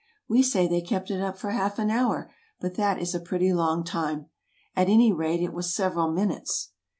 We say they kept it up for half an hour, but that is a pretty long time. At any rate it was several minutes.